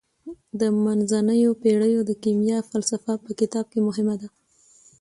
د منځنیو پیړیو د کیمیا فلسفه په کتاب کې مهمه ده.